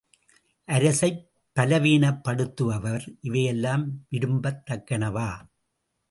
அரசைப் பலவீனப்படுத்துவர், இவையெல்லாம் விரும்பத் தக்கனவா?